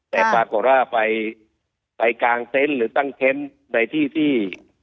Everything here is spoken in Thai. แต่ปากโกร่าไปกลางเซนต์หรือตั้งเข้มในที่ที่